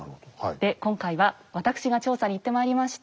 で今回は私が調査に行ってまいりました。